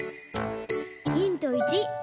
ヒント１。